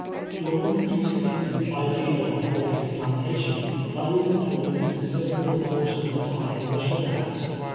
During the three seasons I labored on Hawkins' plantation, I was employed a considerable portion of the time in the sugar house.